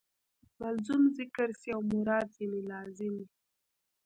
ملزوم ذکر سي او مراد ځني لازم يي.